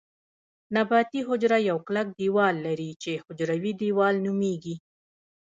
نباتي حجره یو کلک دیوال لري چې حجروي دیوال نومیږي